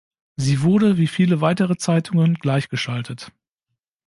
Sie wurde, wie viele weitere Zeitungen, gleichgeschaltet.